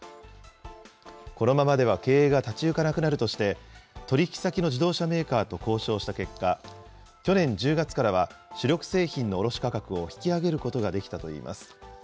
このままでは経営が立ち行かなくなるとして、取り引き先の自動車メーカーと交渉した結果、去年１０月からは主力製品の卸価格を引き上げることができたといいます。